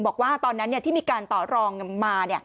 บอกว่าตอนนั้นที่มีการต่อรองมา